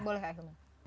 boleh kak hilma